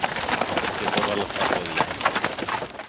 και το 'βαλα στα πόδια.